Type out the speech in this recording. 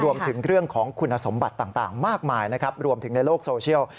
รวมถึงเรื่องของคุณสมบัติต่างมากมายนะครับรวมถึงในโลกโซเชียล